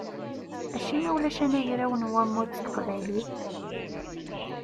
Acimi ulac anagraw n wammud s teqbaylit?